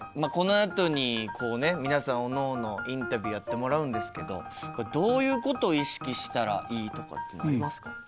このあとにこうね皆さんおのおのインタビューやってもらうんですけどこれどういうことを意識したらいいとかっていうのはありますか？